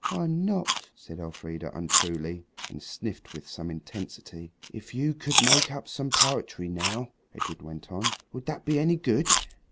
"I'm not," said Elfrida untruly, and sniffed with some intensity. "If you could make up some poetry now," Edred went on, "would that be any good?"